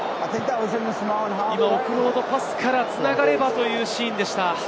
オフロードパスから繋がればというシーンでした。